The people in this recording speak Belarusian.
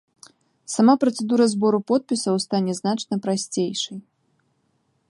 Сама працэдура збору подпісаў стане значна прасцейшай.